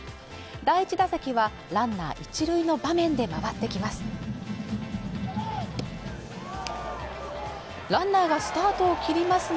第１打席はランナー１塁の場面で回ってきます